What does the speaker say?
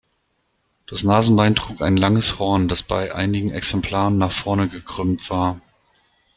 Das Nasenbein trug ein langes Horn, das bei einigen Exemplaren nach vorne gekrümmt war.